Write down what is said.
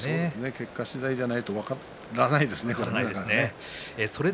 結果しだいでないと分からないですね。